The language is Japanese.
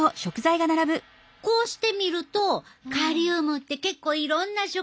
こうして見るとカリウムって結構いろんな食材に入ってるなあ。